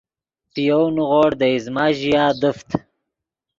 پے یَؤْ نیغوڑ دے ایزمہ ژیا دیفت